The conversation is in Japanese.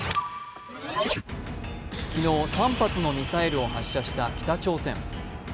昨日３発のミサイルを発射した北朝鮮。